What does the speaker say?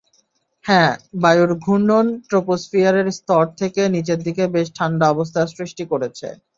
হ্যাঁ, বায়ুর ঘূর্ণন ট্রপোস্ফিয়ারের স্তর থেকে নিচের দিকে বেশ ঠান্ডা অবস্থার সৃষ্টি করেছে।